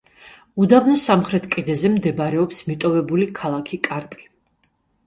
უდაბნოს სამხრეთ კიდეზე მდებარეობს მიტოვებული ქალაქი კარპი.